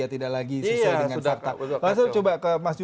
tidak lagi susah dengan fakta